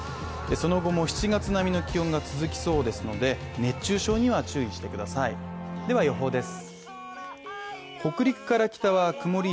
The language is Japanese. その後も７月並みの気温が続きそうですので熱中症には注意してくださいでは予報です。